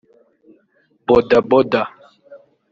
Boda Boda